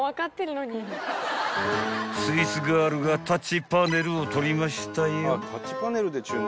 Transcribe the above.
［スイーツガールがタッチパネルを取りましたよ］